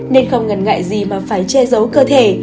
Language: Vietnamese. nên không ngần ngại gì mà phải che giấu cơ thể